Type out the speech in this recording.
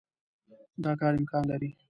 دا کار امکان لري.